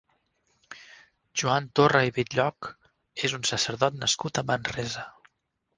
Joan Torra i Bitlloch és un sacerdot nascut a Manresa.